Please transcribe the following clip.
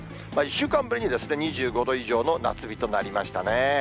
１週間ぶりに２５度以上の夏日となりましたね。